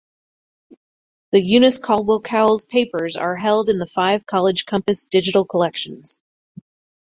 The Eunice Caldwell Cowles Papers are held in the Five College Compass Digital Collections.